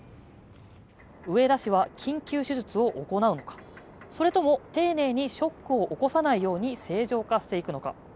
植田氏は緊急手術を行うのか、それとも丁寧にショックを起こさないように正常化していくのか。